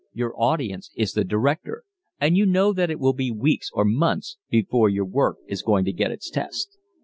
Your audience is the director, and you know that it will be weeks or months before your work is going to get its test.